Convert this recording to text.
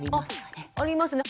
あっありますね。